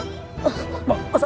dia mau ke sana